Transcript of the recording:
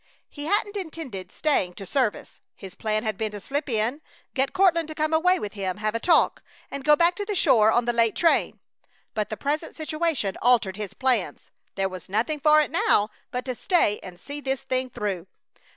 He hadn't intended staying to service. His plan had been to slip in, get Courtland to come away with him, have a talk, and go back to the shore on the late train. But the present situation altered his plans. There was nothing for it now but to stay and see this thing through.